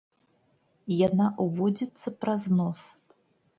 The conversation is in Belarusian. Яна ўводзіцца праз нос.